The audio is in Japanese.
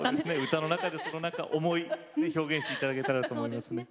歌の中でそのなんか思い表現していただけたらと思いますね。